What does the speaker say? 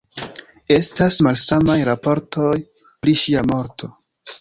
Estas malsamaj raportoj pri ŝia morto.